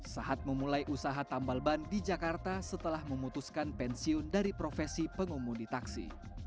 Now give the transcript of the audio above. saat memulai usaha tambal ban di jakarta setelah memutuskan pensiun dari profesi pengumudi taksi